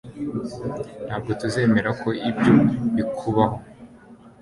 ntabwo tuzemera ko ibyo bikubaho